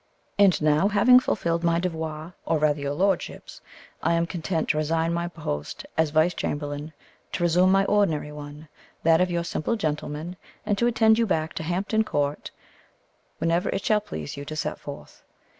And now, having fulfilled my devoir, or rather your lordship's, I am content to resign my post as vice chamberlain, to resume my ordinary one, that of your simple gentleman, and to attend you back to Hampton Court whenever it shall please you to set forth."